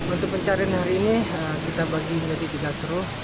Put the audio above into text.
untuk pencarian hari ini kita bagi menjadi tiga suruh